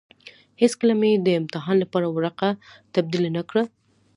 هېڅکله مې يې د امتحان لپاره ورقه تبديله نه کړه.